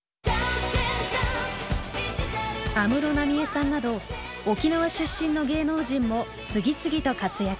安室奈美恵さんなど沖縄出身の芸能人も次々と活躍。